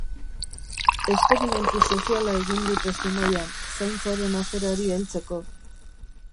Esperimentu soziala egin dute Zumaian, zaintzaren aferari heltzeko